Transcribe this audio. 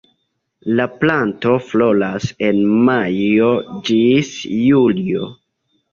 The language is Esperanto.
La planto floras en majo ĝis julio.